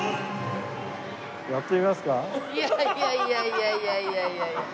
いやいやいやいや。